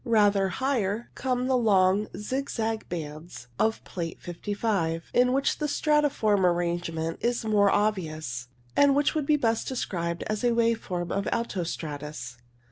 Rather higher come the long zig zag bands of Plate 55, in which the stratiform arrangement is more obvious, and which would be best described as a wave form of alto stratus.